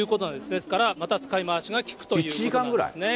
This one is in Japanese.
ですから、また使い回しが利くということなんですね。